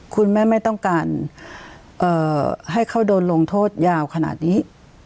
คุณแม่ไม่ต้องการให้เขาโดนลงโทษยาวขนาดนี้